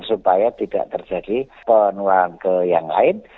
supaya tidak terjadi penularan ke yang lain